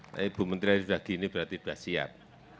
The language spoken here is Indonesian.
tapi bu menteri harus bagi ini berarti sudah siap